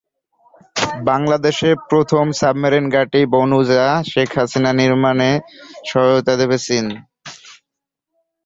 বাংলাদেশের প্রথম সাবমেরিন ঘাঁটি বানৌজা শেখ হাসিনা নির্মাণে সহায়তা দেবে চীন।